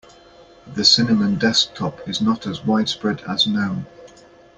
The cinnamon desktop is not as widespread as gnome.